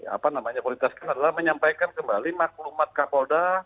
apa namanya prioritaskan adalah menyampaikan kembali maklumat kapolda